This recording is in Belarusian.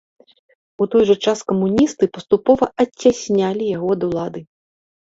У той жа час камуністы паступова адцяснялі яго ад улады.